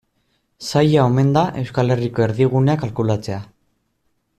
Zaila omen da Euskal Herriko erdigunea kalkulatzea.